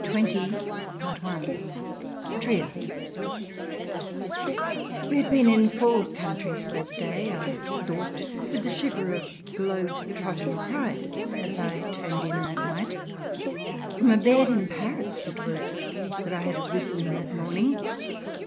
H. CHAPTER XX TRIER We had been in four countries that day, I thought, with a shiver of globe trotting pride, as I turned in that night. From a bed in Paris it was that I had arisen that morning.